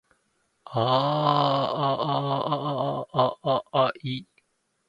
ああああああああああああああああい